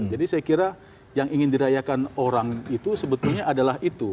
jadi saya kira yang ingin dirayakan orang itu sebetulnya adalah itu